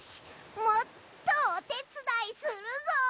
もっとおてつだいするぞ！